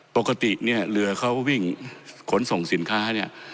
ปกติเนี่ยเรือเขาวิ่งขนส่งสินค้าเนี่ย